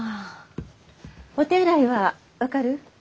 お手洗いは分かる？